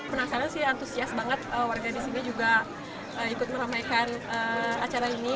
penasaran sih antusias banget warga di sini juga ikut meramaikan acara ini